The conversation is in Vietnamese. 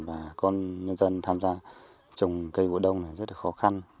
và con nhân dân tham gia trồng cây vụ đông rất là khó khăn